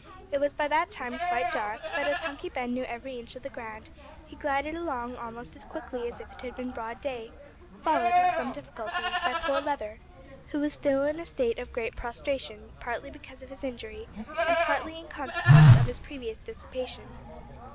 It was by that time quite dark, but as Hunky Ben knew every inch of the ground he glided along almost as quickly as if it had been broad day, followed, with some difficulty, by poor Leather, who was still in a state of great prostration, partly because of his injury and partly in consequence of his previous dissipation.